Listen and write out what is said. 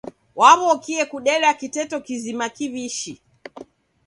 Waw'okie kudeda kiteto kizima kiw'ishi.